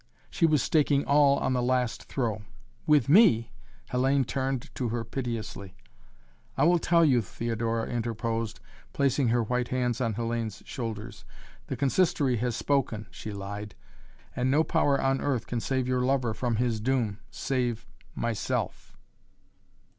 She was staking all on the last throw. "With me?" Hellayne turned to her piteously. "I will tell you," Theodora interposed, placing her white hands on Hellayne's shoulders. "The Consistory has spoken " she lied "and no power on earth can save your lover from his doom save myself!"